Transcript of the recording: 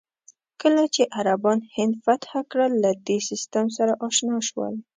کله چې عربان هند فتح کړل، له دې سیستم سره اشنا شول.